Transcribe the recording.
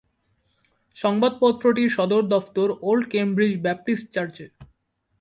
সংবাদপত্রটির সদর দফতর Old Cambridge Baptist চার্চে।